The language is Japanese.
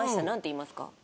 なんて言いますか？